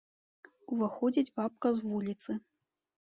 Уваходзіць бабка з вуліцы.